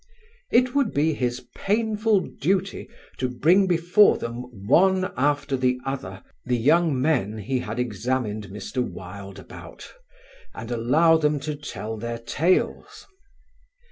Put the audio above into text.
It would be his painful duty to bring before them one after the other the young men he had examined Mr. Wilde about and allow them to tell their tales.